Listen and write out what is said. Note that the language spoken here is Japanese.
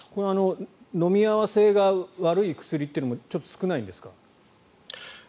飲み合わせが悪い薬もちょっと少ないんですか。